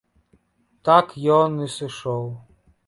Так ён і сышоў.